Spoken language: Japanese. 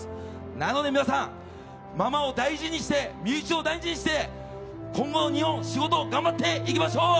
なので皆さんママを大事にして身内を大事にして今後の日本、仕事を頑張っていきましょう！